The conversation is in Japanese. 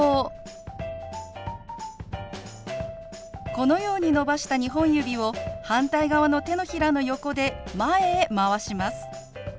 このように伸ばした２本指を反対側の手のひらの横で前へ回します。